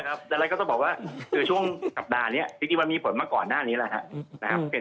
แต่ละก็ต้องบอกว่าคือช่วงสัปดาห์นี้สิ่งที่มันมีผลมาก่อนหน้านี้แหละครับ